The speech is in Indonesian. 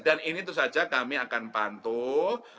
dan ini itu saja kami akan pantul